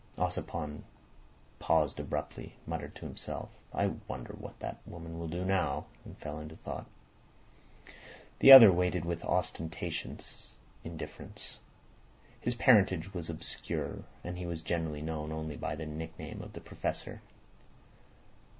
Ossipon paused abruptly, muttered to himself "I wonder what that woman will do now?" and fell into thought. The other waited with ostentatious indifference. His parentage was obscure, and he was generally known only by his nickname of Professor.